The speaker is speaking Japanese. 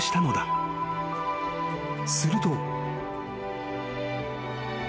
［すると］